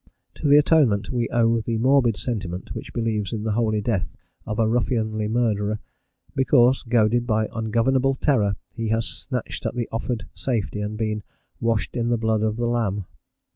To the Atonement we owe the morbid sentiment which believes in the holy death of a ruffianly murderer, because, goaded by ungovernable terror, he has snatched at the offered safety and been "washed in the blood of the lamb."